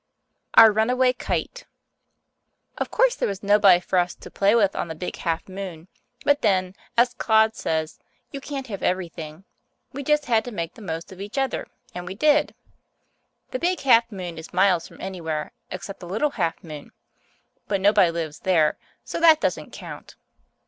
Our Runaway Kite Of course there was nobody for us to play with on the Big Half Moon, but then, as Claude says, you can't have everything. We just had to make the most of each other, and we did. The Big Half Moon is miles from anywhere, except the Little Half Moon. But nobody lives there, so that doesn't count.